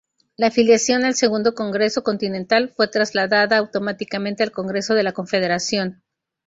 La afiliación al Segundo Congreso Continental fue trasladada automáticamente al Congreso de la Confederación.